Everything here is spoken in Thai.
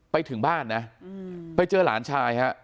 ไปถึงบ้านนะไปเจอหลานชายฮะ